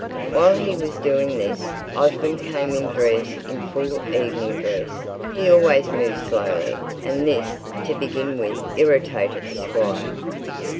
While he was doing this, Osborne came in dressed in full evening dress. He always moved slowly; and this, to begin with, irritated the Squire.